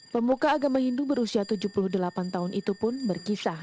pemuka agama hindu berusia tujuh puluh delapan tahun itu pun berkisah